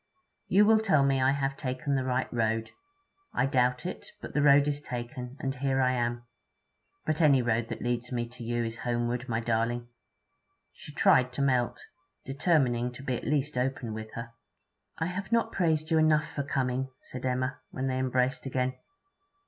You will tell me I have taken the right road. I doubt it. But the road is taken, and here I am. But any road that leads me to you is homeward, my darling!' She tried to melt, determining to be at least open with her. 'I have not praised you enough for coming,' said Emma, when they had embraced again.